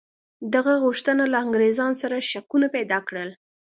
د هغه غوښتنه له انګرېزانو سره شکونه پیدا کړل.